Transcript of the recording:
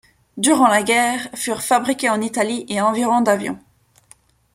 Durant la guerre, furent fabriqués en Italie et environ d’avions.